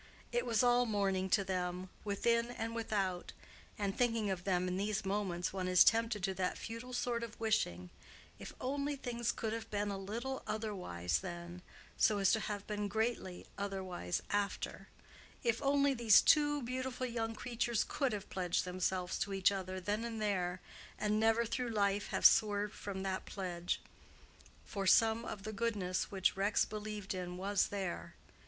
It was all morning to them, within and without. And thinking of them in these moments one is tempted to that futile sort of wishing—if only things could have been a little otherwise then, so as to have been greatly otherwise after—if only these two beautiful young creatures could have pledged themselves to each other then and there, and never through life have swerved from that pledge! For some of the goodness which Rex believed in was there.